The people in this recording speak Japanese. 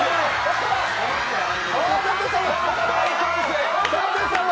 大歓声！